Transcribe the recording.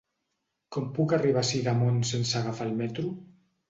Com puc arribar a Sidamon sense agafar el metro?